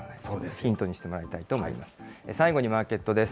ヒントにしてほしいと思います。